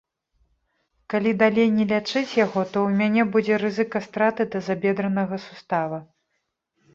Калі далей не лячыць яго, то ў мяне будзе рызыка страты тазабедранага сустава.